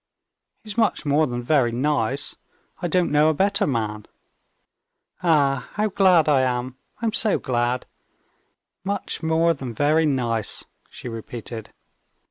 "He's much more than very nice. I don't know a better man." "Ah, how glad I am! I'm so glad! Much more than very nice," she repeated.